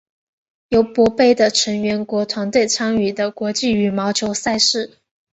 尤伯杯的成员国团队参与的国际羽毛球赛事。